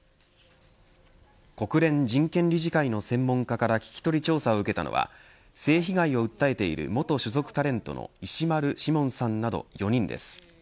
国連人権理事会の専門家から聞き取り調査を受けたのは性被害を訴えている元所属タレントの石丸志門さんなど４人です。